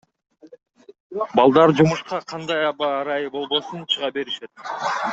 Балдар жумушка кандай аба ырайы болбосун чыга беришет.